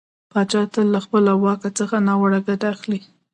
پاچا تل له خپله واک څخه ناوړه ګټه اخلي .